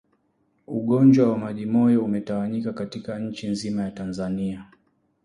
Ugonjwa wa majimoyo umetawanyika katika nchi nzima ya Tanzania